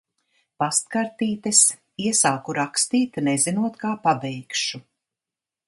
Pastkartītes. Iesāku rakstīt, nezinot, kā pabeigšu.